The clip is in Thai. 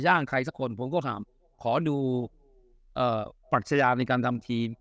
ใครสักคนผมก็ถามขอดูปรัชญาในการทำทีม